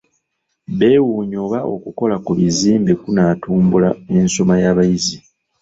Beewuunya oba okukola ku bizimbe kunaatumbula ensoma y'abayizi.